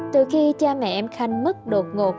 từ khi cha mẹ em khanh mất đột ngột